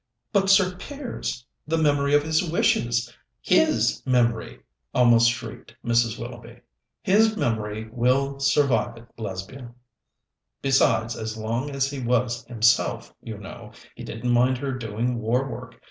"But Sir Piers the memory of his wishes his memory!" almost shrieked Mrs. Willoughby. "His memory will survive it, Lesbia. Besides, as long as he was himself, you know, he didn't mind her doing war work.